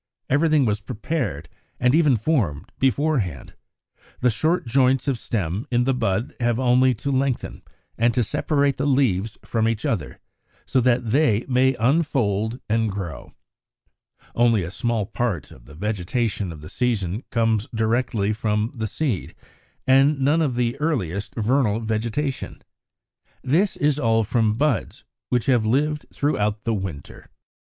Everything was prepared, and even formed, beforehand: the short joints of stem in the bud have only to lengthen, and to separate the leaves from each other so that they may unfold and grow. Only a small part of the vegetation of the season comes directly from the seed, and none of the earliest vernal vegetation. This is all from buds which have lived through the winter. 54.